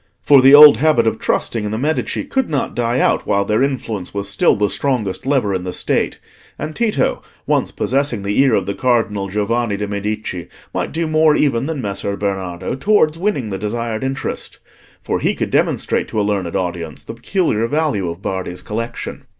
For the old habit of trusting in the Medici could not die out while their influence was still the strongest lever in the State; and Tito, once possessing the ear of the Cardinal Giovanni de' Medici, might do more even than Messer Bernardo towards winning the desired interest, for he could demonstrate to a learned audience the peculiar value of Bardi's collection.